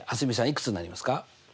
いくつになりますか？